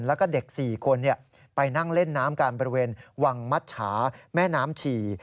แล้วก็เด็ก๔คนไปนั่งเล่นน้ำกันบริเวณวังมัชชาแม่น้ำฉี่